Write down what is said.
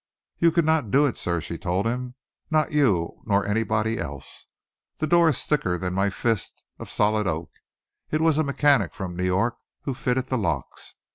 "You could not do it, sir," she told him, "not you nor anybody else. The door is thicker than my fist, of solid oak. It was a mechanic from New York who fitted the locks.